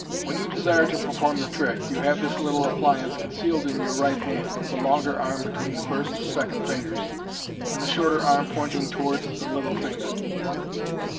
"When you desire to perform the trick, you have this little appliance concealed in your right hand, the longer arm between the first and second ringers, and the shorter arm pointing towards the little ringer.